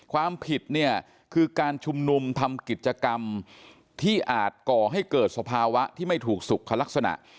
ความผิดเนี่ยคือการชุมนุมทำกิจกรรมที่อาจก่อให้เกิดสภาวะที่ไม่ถูกสุขลักษณะ